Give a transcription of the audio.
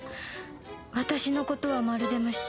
私のことはまるで無視